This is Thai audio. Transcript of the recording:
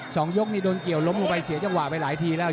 สองยกนี่โดนเกี่ยวล้มลงไปเสียจังหวะไปหลายทีแล้ว